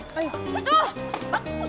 seren ini nih mau gue